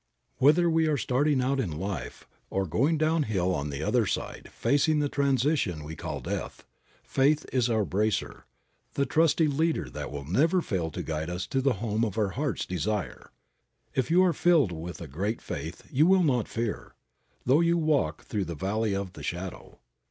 Whether we are starting out in life, or going downhill on the other side, facing the transition we call death, faith is our bracer, the trusty leader that will never fail to guide us to the home of our heart's desire. If you are filled with a great faith you will not fear, though you walk through the valley of the shadow.